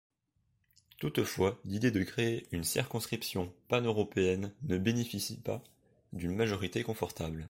Toutefois, l'idée de créer une circonscription paneuropéenne ne bénéficie pas d'une majorité confortable.